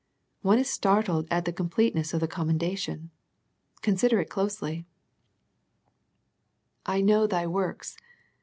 One is startled at the completeness of the commen dation. Consider it closely. " I know thy works."